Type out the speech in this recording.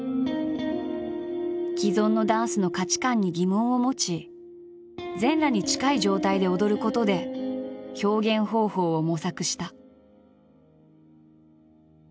既存のダンスの価値観に疑問を持ち全裸に近い状態で踊ることで表現方法を模索した。